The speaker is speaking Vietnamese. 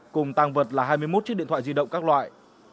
cùng tăng vật là hai mươi một chiếc điện thoại di động các loại